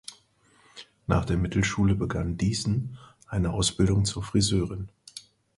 Nach der Mittelschule begann Diesen eine Ausbildung zur Friseurin.